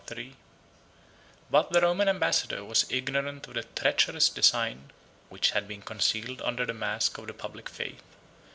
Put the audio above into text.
] But the Roman ambassador was ignorant of the treacherous design, which had been concealed under the mask of the public faith.